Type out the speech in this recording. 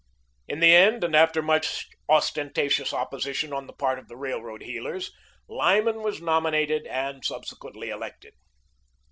In the end, and after much ostentatious opposition on the part of the railroad heelers, Lyman was nominated and subsequently elected.